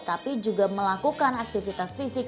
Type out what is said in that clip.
tapi juga melakukan aktivitas fisik